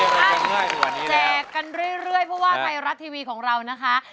ใช่แจกกันเรื่อยเพราะว่าไทยรัฐทีวีของเรานะคะ